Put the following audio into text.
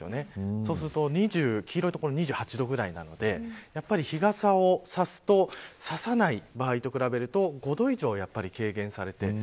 そうすると黄色い所は２８度ぐらいなので日傘を差すと差さない場合と比べて５度以上軽減される。